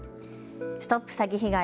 ＳＴＯＰ詐欺被害！